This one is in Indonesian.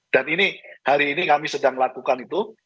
dan ini hari ini kami sedang melakukan itu